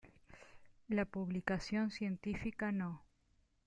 La Publicación Científica No.